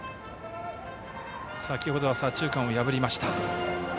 先ほどは左中間を破りました。